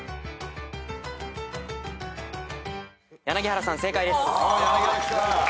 柳原さん